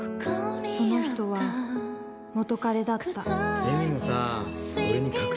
その人は、元カレだった。